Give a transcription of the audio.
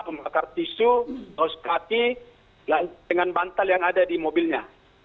membakar tisu oskati dengan bantal yang ada di mobilnya